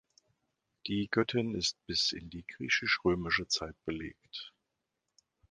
Die Göttin ist bis in die griechisch-römische Zeit belegt.